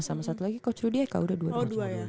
sama satu lagi coach rudi eka udah dua duanya